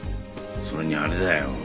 それにあれだよ